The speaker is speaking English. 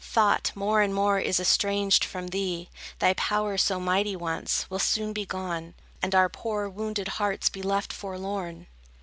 Thought more and more is still estranged from thee; Thy power so mighty once, will soon be gone, And our poor, wounded hearts be left forlorn.